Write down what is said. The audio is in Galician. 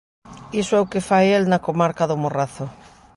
Iso é o que fai el na comarca do Morrazo.